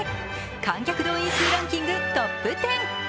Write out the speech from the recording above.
観客動員数ランキングトップ１０。